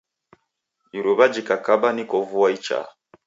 Iruw'a jikakaba niko vua ichaa.